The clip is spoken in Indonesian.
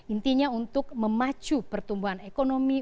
intinya untuk memacu pertumbuhan ekonomi